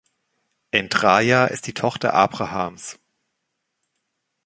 Endraya ist die Tochter Abrahams.